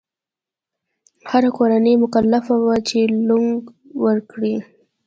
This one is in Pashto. هره کورنۍ مکلفه وه چې لونګ ورکړي.